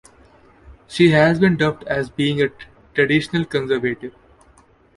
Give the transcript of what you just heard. She has been dubbed as being a 'traditional conservative'.